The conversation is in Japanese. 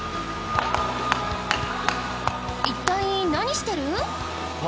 一体何してる？